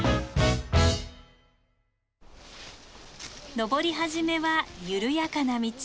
登り始めはゆるやかな道。